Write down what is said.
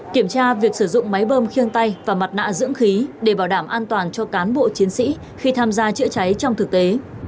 kiểm tra việc sử dụng máy bơm khiêng tay và mặt nạ dưỡng khí để bảo đảm an toàn cho cán bộ chiến sĩ khi tham gia chữa cháy trong thực tế